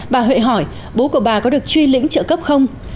bà huệ hỏi bố của bà có được truy lĩnh trợ cấp không